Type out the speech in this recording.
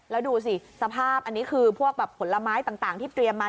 แล้วดูสิสภาพอันนี้คือพวกแบบผลไม้ต่างที่เตรียมมา